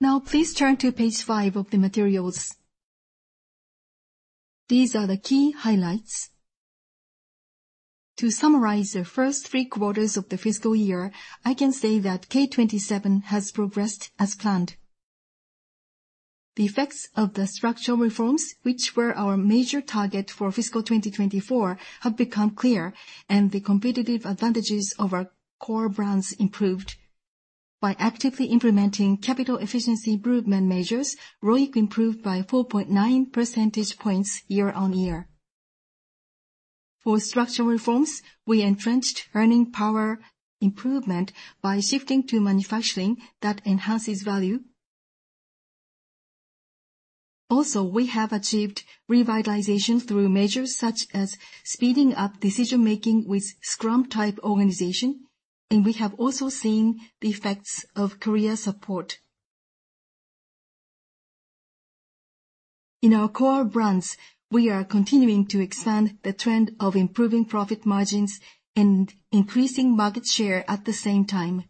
Now, please turn to page 5 of the materials. These are the key highlights. To summarize the first three quarters of the fiscal year, I can say that K27 has progressed as planned. The effects of the structural reforms, which were our major target for fiscal 2024, have become clear, and the competitive advantages of our core brands improved. By actively implementing capital efficiency improvement measures, ROIC improved by 4.9 percentage points year-on-year. For structural reforms, we entrenched earning power improvement by shifting to manufacturing that enhances value. Also, we have achieved revitalization through measures such as speeding up decision-making with Scrum-type organization, and we have also seen the effects of career support. In our core brands, we are continuing to expand the trend of improving profit margins and increasing market share at the same time.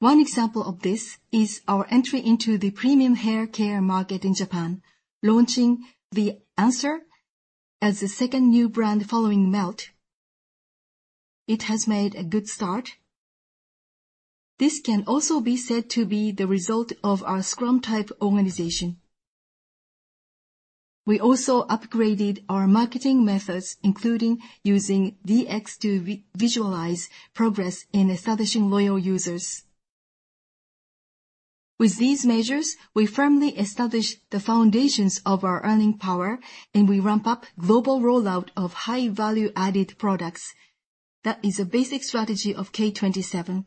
One example of this is our entry into the premium hair care market in Japan, launching The Answer as the second new brand following Melt. It has made a good start. This can also be said to be the result of our Scrum-type organization. We also upgraded our marketing methods, including using DX to visualize progress in establishing loyal users. With these measures, we firmly establish the foundations of our earning power, and we ramp up global rollout of high-value-added products. That is a basic strategy of K27.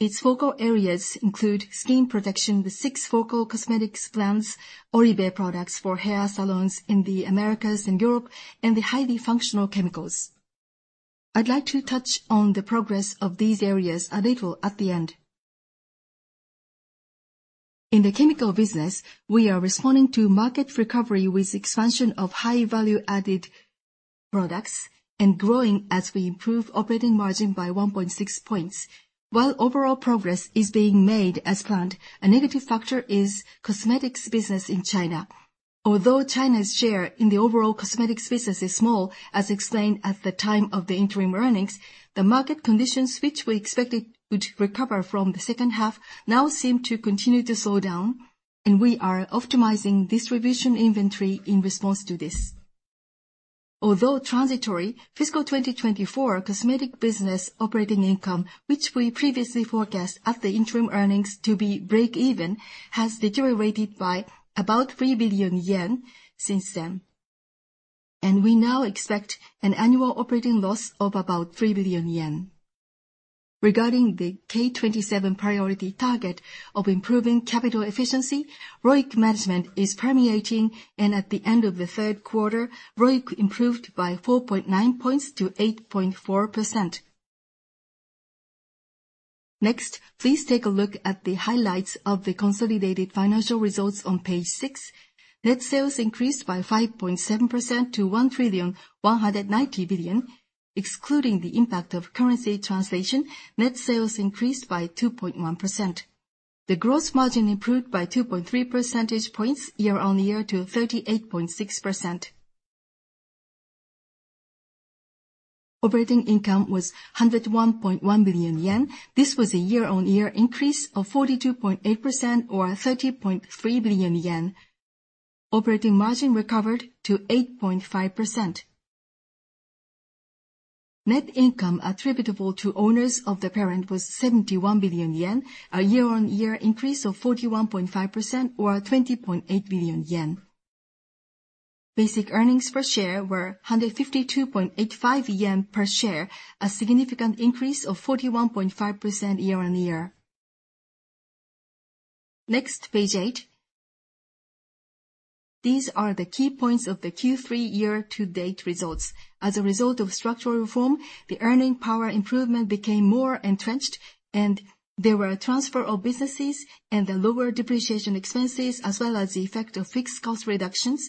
Its focal areas include skin protection with six focal cosmetics brands, Oribe products for hair salons in the Americas and Europe, and the highly functional chemicals. I'd like to touch on the progress of these areas a little at the end. In the chemical business, we are responding to market recovery with expansion of high-value-added products and growing as we improve operating margin by 1.6 points. While overall progress is being made as planned, a negative factor is cosmetics business in China. Although China's share in the overall cosmetics business is small, as explained at the time of the interim earnings, the market conditions, which we expected would recover from the second half, now seem to continue to slow down, and we are optimizing distribution inventory in response to this. Although transitory, fiscal 2024 cosmetics business operating income, which we previously forecast at the interim earnings to be break-even, has deteriorated by about 3 billion yen since then, and we now expect an annual operating loss of about 3 billion yen. Regarding the K27 priority target of improving capital efficiency, ROIC management is permeating, and at the end of the third quarter, ROIC improved by 4.9 points to 8.4%. Next, please take a look at the highlights of the consolidated financial results on page 6. Net sales increased by 5.7% to 1 trillion 190 billion. Excluding the impact of currency translation, net sales increased by 2.1%. The gross margin improved by 2.3 percentage points year-on-year to 38.6%. Operating income was 101.1 billion yen. This was a year-on-year increase of 42.8% or 30.3 billion yen. Operating margin recovered to 8.5%. Net income attributable to owners of the parent was 71 billion yen, a year-on-year increase of 41.5% or 20.8 billion yen. Basic earnings per share were 152.85 yen per share, a significant increase of 41.5% year-on-year. Next, page 8. These are the key points of the Q3 year-to-date results. As a result of structural reform, the earning power improvement became more entrenched, and there were a transfer of businesses and a lower depreciation expenses, as well as the effect of fixed cost reductions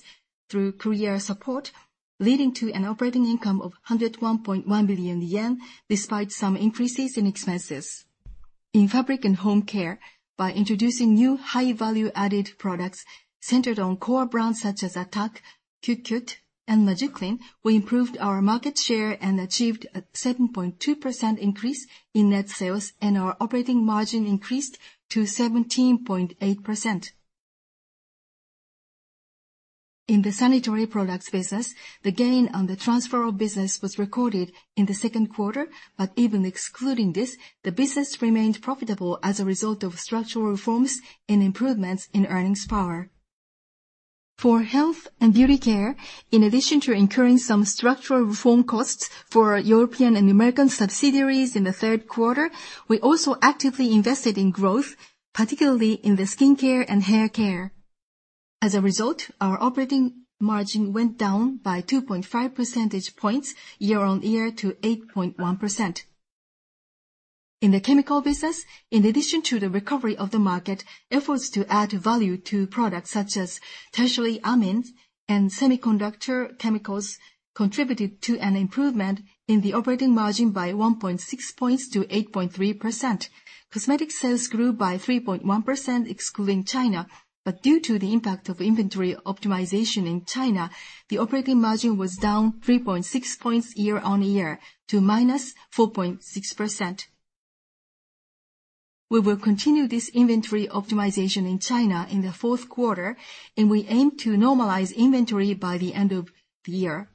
through career support, leading to an operating income of 101.1 billion yen despite some increases in expenses. In fabric and home care, by introducing new high-value-added products centered on core brands such as Attack, CuCute, and Magiclean, we improved our market share and achieved a 7.2% increase in net sales, and our operating margin increased to 17.8%. In the sanitary products business, the gain on the transfer of business was recorded in the second quarter, but even excluding this, the business remained profitable as a result of structural reforms and improvements in earnings power. For health and beauty care, in addition to incurring some structural reform costs for European and American subsidiaries in the third quarter, we also actively invested in growth, particularly in the skincare and hair care. As a result, our operating margin went down by 2.5 percentage points year-on-year to 8.1%. In the chemical business, in addition to the recovery of the market, efforts to add value to products such as tertiary amines and semiconductor chemicals contributed to an improvement in the operating margin by 1.6 points to 8.3%. Cosmetic sales grew by 3.1% excluding China, but due to the impact of inventory optimization in China, the operating margin was down 3.6 points year-on-year to minus 4.6%. We will continue this inventory optimization in China in the fourth quarter, and we aim to normalize inventory by the end of the year.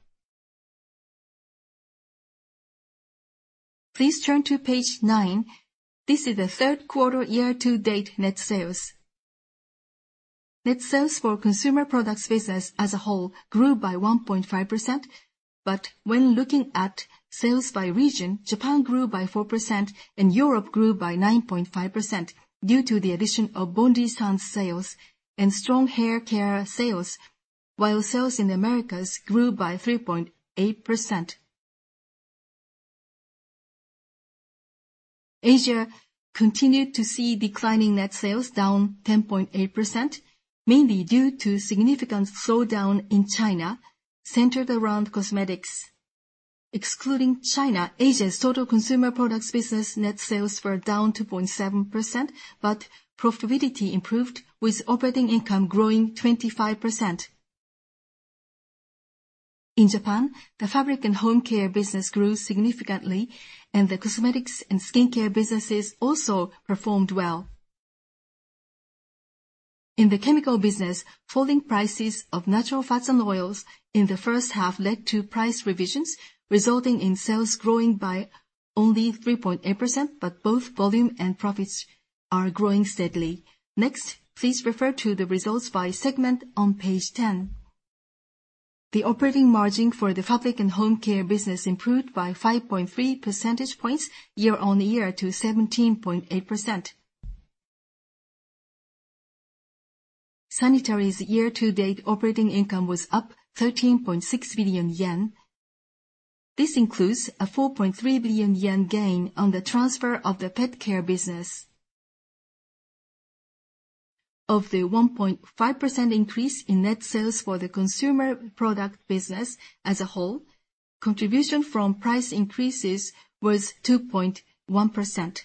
Please turn to page 9. This is the third quarter year-to-date net sales. Net sales for consumer products business as a whole grew by 1.5%, but when looking at sales by region, Japan grew by 4% and Europe grew by 9.5% due to the addition of Bondi Sands sales and strong hair care sales, while sales in the Americas grew by 3.8%. Asia continued to see declining net sales, down 10.8%, mainly due to significant slowdown in China centered around cosmetics. Excluding China, Asia's total consumer products business net sales were down 2.7%, but profitability improved with operating income growing 25%. In Japan, the fabric and home care business grew significantly, and the cosmetics and skincare businesses also performed well. In the chemical business, falling prices of natural fats and oils in the first half led to price revisions, resulting in sales growing by only 3.8%, but both volume and profits are growing steadily. Next, please refer to the results by segment on page 10. The operating margin for the fabric and home care business improved by 5.3 percentage points year-on-year to 17.8%. Sanitary's year-to-date operating income was up 13.6 billion yen. This includes a 4.3 billion yen gain on the transfer of the pet care business. Of the 1.5% increase in net sales for the consumer product business as a whole, contribution from price increases was 2.1%.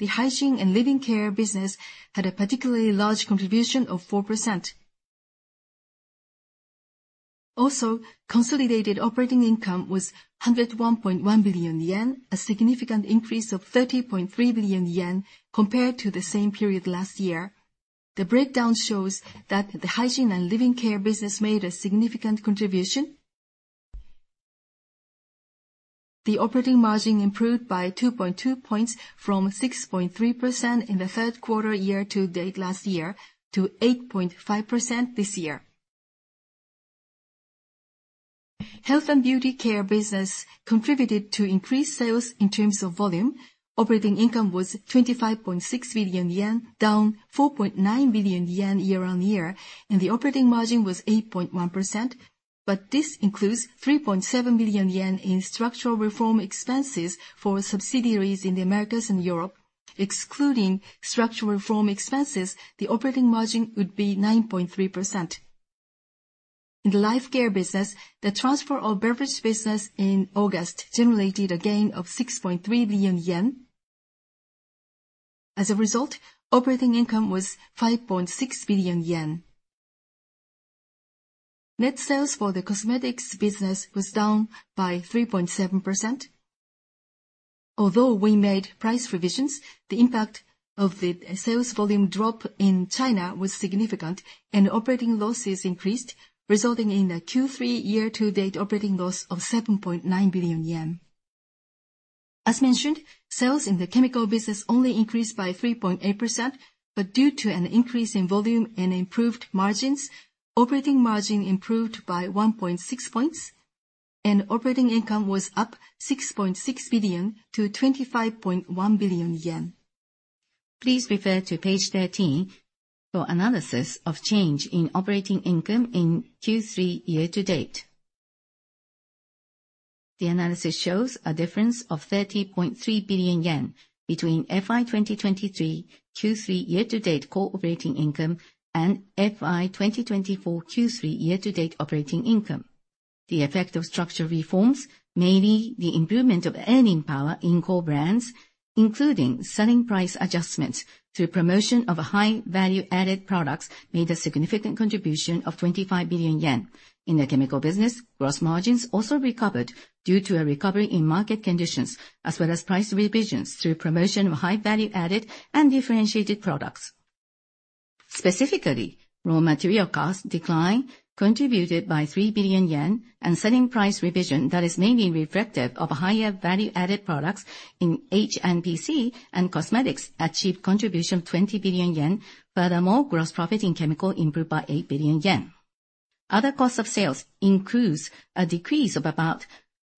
The hygiene and living care business had a particularly large contribution of 4%. Also, consolidated operating income was 101.1 billion yen, a significant increase of 30.3 billion yen compared to the same period last year. The breakdown shows that the hygiene and living care business made a significant contribution. The operating margin improved by 2.2 points from 6.3% in the third quarter year-to-date last year to 8.5% this year. Health and beauty care business contributed to increased sales in terms of volume. Operating income was 25.6 billion yen, down 4.9 billion yen year-on-year, and the operating margin was 8.1%, but this includes 3.7 billion yen in structural reform expenses for subsidiaries in the Americas and Europe. Excluding structural reform expenses, the operating margin would be 9.3%. In the life care business, the transfer of beverage business in August generated a gain of 6.3 billion yen. As a result, operating income was 5.6 billion yen. Net sales for the cosmetics business was down by 3.7%. Although we made price revisions, the impact of the sales volume drop in China was significant, and operating losses increased, resulting in a Q3 year-to-date operating loss of 7.9 billion yen. As mentioned, sales in the chemical business only increased by 3.8%, but due to an increase in volume and improved margins, operating margin improved by 1.6 points, and operating income was up 6.6 billion JPY to 25.1 billion yen. Please refer to page 13 for analysis of change in operating income in Q3 year-to-date. The analysis shows a difference of 30.3 billion yen between FY 2023 Q3 year-to-date core operating income and FY 2024 Q3 year-to-date operating income. The effect of structural reforms, mainly the improvement of earning power in core brands, including selling price adjustments through promotion of high-value-added products, made a significant contribution of 25 billion yen. In the chemical business, gross margins also recovered due to a recovery in market conditions, as well as price revisions through promotion of high-value-added and differentiated products. Specifically, raw material costs declined, contributed by 3 billion yen, and selling price revision that is mainly reflective of higher value-added products in H&BC and cosmetics achieved contribution of 20 billion yen. Furthermore, gross profit in chemical improved by 8 billion yen. Other costs of sales include a decrease of about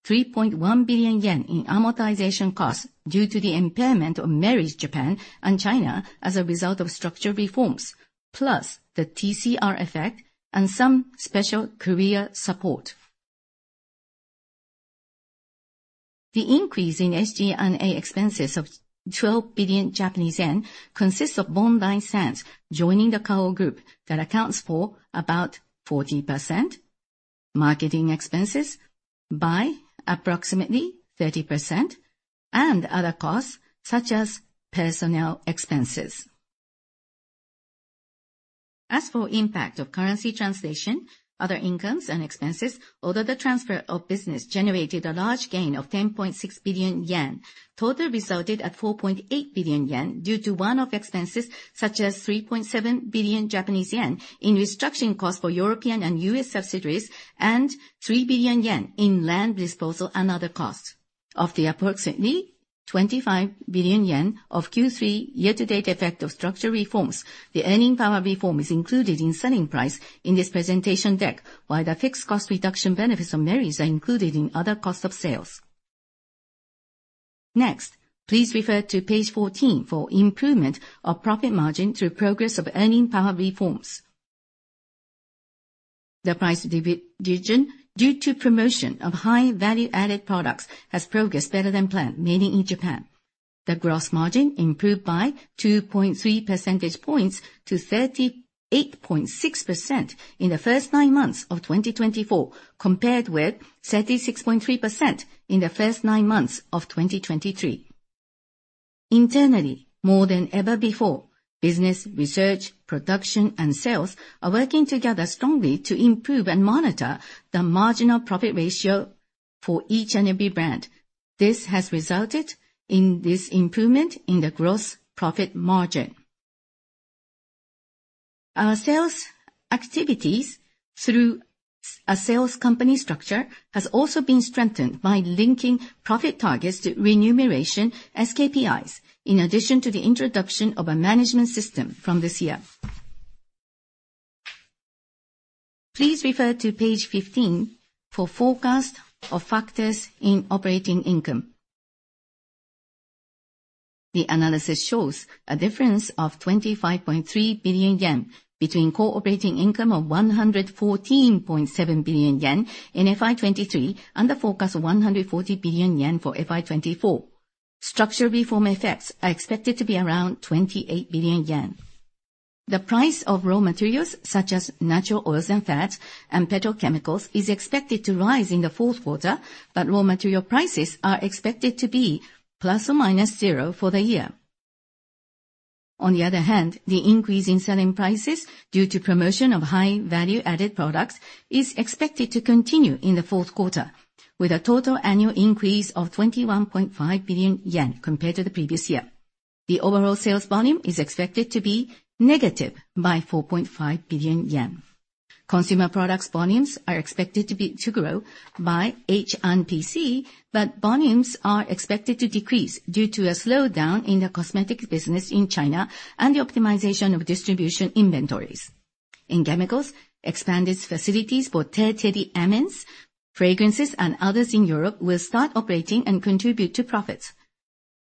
3.1 billion yen in amortization costs due to the impairment of Merries Japan and China as a result of structural reforms, plus the TCR effect and some special career support. The increase in SG&A expenses of 12 billion Japanese yen consists of Bondi Sands joining the Kao Group that accounts for about 40%, marketing expenses by approximately 30%, and other costs such as personnel expenses. As for impact of currency translation, other incomes and expenses, although the transfer of business generated a large gain of 10.6 billion yen, total resulted at 4.8 billion yen due to one-off expenses such as 3.7 billion Japanese yen in restructuring costs for European and U.S. subsidiaries and 3 billion yen in land disposal and other costs. Of the approximately 25 billion yen of Q3 year-to-date effect of structural reforms, the earning power reform is included in selling price in this presentation deck, while the fixed cost reduction benefits of Merries are included in other costs of sales. Next, please refer to page 14 for improvement of profit margin through progress of earning power reforms. The price revision due to promotion of high-value-added products has progressed better than planned, mainly in Japan. The gross margin improved by 2.3 percentage points to 38.6% in the first nine months of 2024, compared with 36.3% in the first nine months of 2023. Internally, more than ever before, business, research, production, and sales are working together strongly to improve and monitor the marginal profit ratio for each and every brand. This has resulted in this improvement in the gross profit margin. Our sales activities through a sales company structure have also been strengthened by linking profit targets to remuneration as KPIs, in addition to the introduction of a management system from this year. Please refer to page 15 for forecast of factors in operating income. The analysis shows a difference of 25.3 billion yen between core operating income of 114.7 billion yen in FY 23 and the forecast of 140 billion yen for FY 24. Structural reform effects are expected to be around 28 billion yen. The price of raw materials such as natural oils and fats and petrochemicals is expected to rise in the fourth quarter, but raw material prices are expected to be plus or minus zero for the year. On the other hand, the increase in selling prices due to promotion of high-value-added products is expected to continue in the fourth quarter, with a total annual increase of 21.5 billion yen compared to the previous year. The overall sales volume is expected to be negative by 4.5 billion yen. Consumer products volumes are expected to grow by H&BC, but volumes are expected to decrease due to a slowdown in the cosmetics business in China and the optimization of distribution inventories. In chemicals, expanded facilities for tertiary amines, fragrances, and others in Europe will start operating and contribute to profits.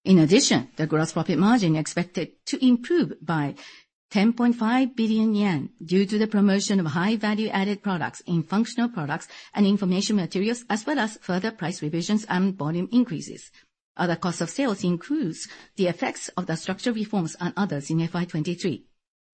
In addition, the gross profit margin is expected to improve by 10.5 billion yen due to the promotion of high-value-added products in functional products and information materials, as well as further price revisions and volume increases. Other costs of sales include the effects of the structural reforms and others in FY 23.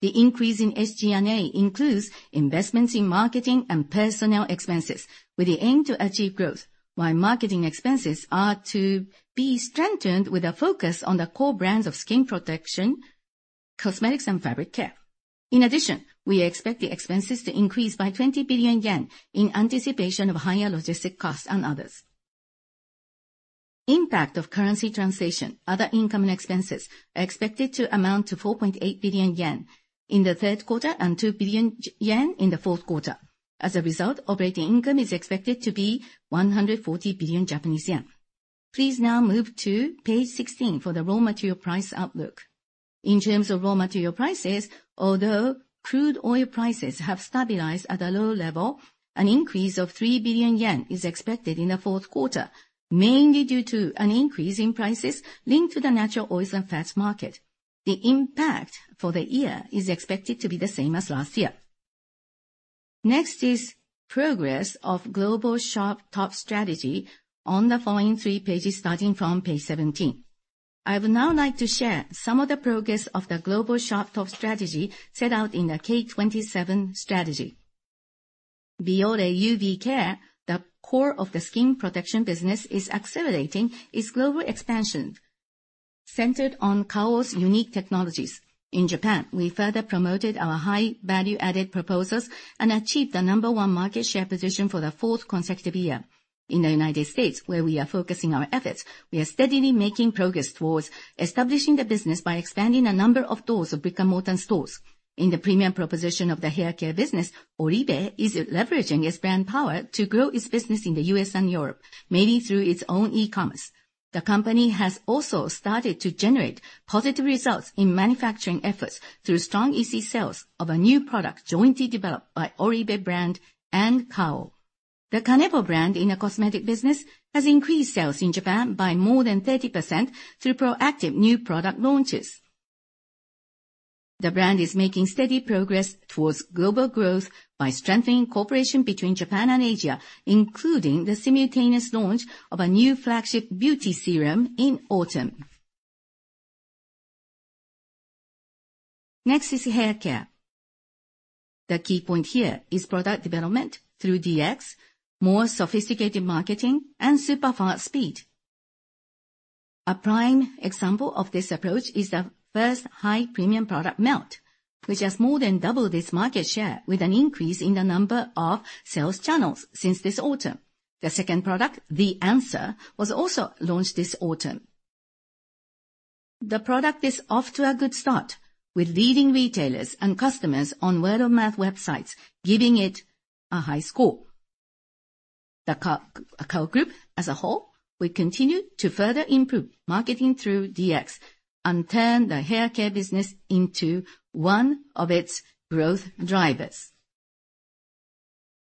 The increase in SG&A includes investments in marketing and personnel expenses, with the aim to achieve growth, while marketing expenses are to be strengthened with a focus on the core brands of skin protection, cosmetics, and fabric care. In addition, we expect the expenses to increase by 20 billion yen in anticipation of higher logistic costs and others. Impact of currency translation, other income and expenses are expected to amount to 4.8 billion yen in the third quarter and 2 billion yen in the fourth quarter. As a result, operating income is expected to be 140 billion Japanese yen. Please now move to page 16 for the raw material price outlook. In terms of raw material prices, although crude oil prices have stabilized at a low level, an increase of 3 billion yen is expected in the fourth quarter, mainly due to an increase in prices linked to the natural oils and fats market. The impact for the year is expected to be the same as last year. Next is progress of Global Sharp Top Strategy on the following three pages starting from page 17. I would now like to share some of the progress of the Global Sharp Top Strategy set out in the K27 strategy. Beyond UV Care, the core of the skin protection business is accelerating its global expansion centered on Kao's unique technologies. In Japan, we further promoted our high-value-added proposals and achieved the number one market share position for the fourth consecutive year. In the United States, where we are focusing our efforts, we are steadily making progress towards establishing the business by expanding a number of doors of brick-and-mortar stores. In the premium proposition of the hair care business, Oribe is leveraging its brand power to grow its business in the U.S. and Europe, mainly through its own e-commerce. The company has also started to generate positive results in manufacturing efforts through strong EC sales of a new product jointly developed by Oribe brand and Kao. The Kanebo brand in the cosmetic business has increased sales in Japan by more than 30% through proactive new product launches. The brand is making steady progress towards global growth by strengthening cooperation between Japan and Asia, including the simultaneous launch of a new flagship beauty serum in autumn. Next is hair care. The key point here is product development through DX, more sophisticated marketing, and super-fast speed. A prime example of this approach is the first high premium product, Melt, which has more than doubled its market share with an increase in the number of sales channels since this autumn. The second product, The Answer, was also launched this autumn. The product is off to a good start, with leading retailers and customers on word-of-mouth websites giving it a high score. The Kao Group, as a whole, will continue to further improve marketing through DX and turn the hair care business into one of its growth drivers.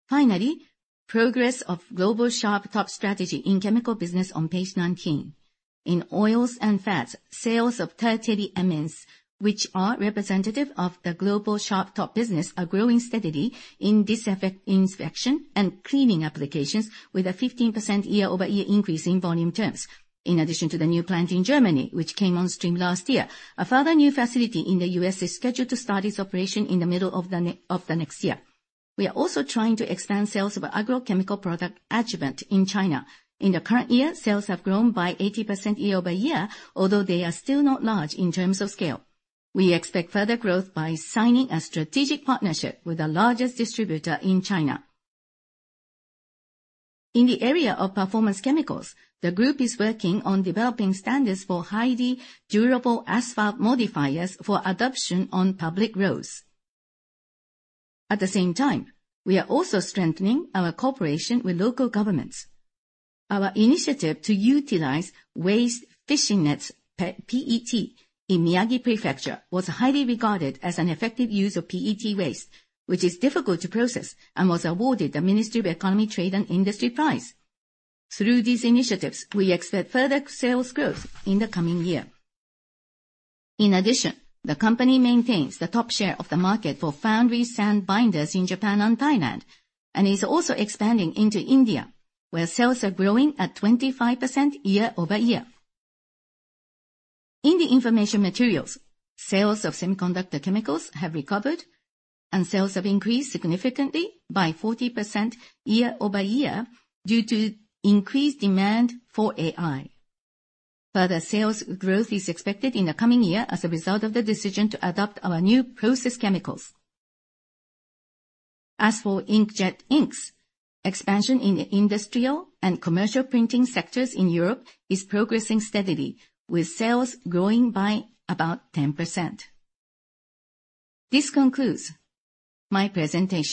Finally, progress of Global Sharp Top Strategy in chemical business on page 19. In oils and fats, sales of tertiary amines, which are representative of the Global Sharp Top business, are growing steadily in disinfection and cleaning applications, with a 15% year-over-year increase in volume terms. In addition to the new plant in Germany, which came on stream last year, a further new facility in the U.S. is scheduled to start its operation in the middle of the next year. We are also trying to expand sales of agrochemical product adjuvant in China. In the current year, sales have grown by 80% year-over-year, although they are still not large in terms of scale. We expect further growth by signing a strategic partnership with the largest distributor in China. In the area of performance chemicals, the group is working on developing standards for highly durable asphalt modifiers for adoption on public roads. At the same time, we are also strengthening our cooperation with local governments. Our initiative to utilize waste fishing nets, PET, in Miyagi Prefecture was highly regarded as an effective use of PET waste, which is difficult to process and was awarded the Ministry of Economy, Trade and Industry Prize. Through these initiatives, we expect further sales growth in the coming year. In addition, the company maintains the top share of the market for foundry sand binders in Japan and Thailand, and is also expanding into India, where sales are growing at 25% year-over-year. In the information materials, sales of semiconductor chemicals have recovered, and sales have increased significantly by 40% year-over-year due to increased demand for AI. Further sales growth is expected in the coming year as a result of the decision to adopt our new process chemicals. As for inkjet inks, expansion in the industrial and commercial printing sectors in Europe is progressing steadily, with sales growing by about 10%. This concludes my presentation.